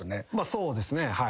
そうですねはい。